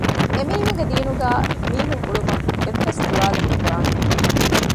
އެމީހުންގެ ދީނުގައި އެމިހުން އުޅުމަކަށް އެއްވެސް ތުރާލެއް ނުކުރާނެ